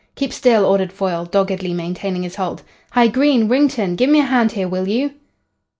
"Keep still," ordered Foyle, doggedly maintaining his hold. "Hi, Green, Wrington! Give me a hand here, will you?"